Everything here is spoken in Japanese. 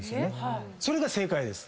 それが正解です。